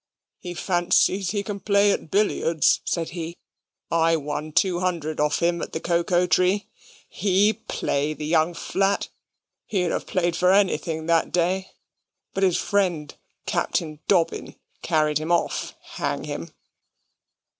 "He fancies he can play at billiards," said he. "I won two hundred of him at the Cocoa Tree. HE play, the young flat! He'd have played for anything that day, but his friend Captain Dobbin carried him off, hang him!"